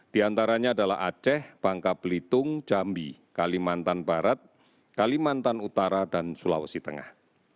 di antaranya adalah aceh bangka belitung jambi kalimantan barat kalimantan utara dan sulawesi tengah